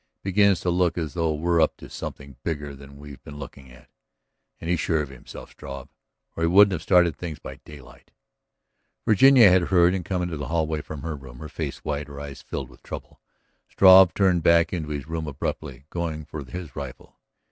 It begins to look as though he were up to something bigger than we've been looking for. And he's sure of himself, Struve, or he wouldn't have started things by daylight." Virginia had heard and came into the hallway from her room, her face white, her eyes filled with trouble. Struve turned back into his room abruptly, going for his rifle.